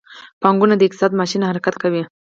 پانګونه د اقتصاد ماشین حرکت کوي.